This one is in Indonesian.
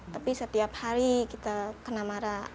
tapi setiap hari kita kena marah